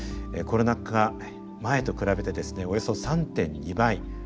コロナ禍前と比べてですねおよそ３．２倍。